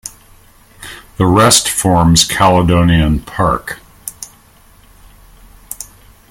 The rest forms Caledonian Park.